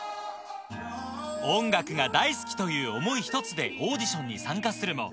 音楽が大好きという思い一つでオーディションに参加するも。